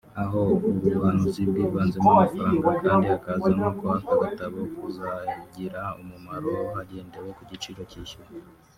aho ubu buhanuzi bwivanzemo amafaranga kandi hakazamo ko aka gatabo kuzagira umumaro hagendewe ku giciro kishyuwe